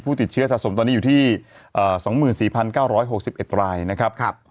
ติดเชื้อสะสมตอนนี้อยู่ที่๒๔๙๖๑รายนะครับ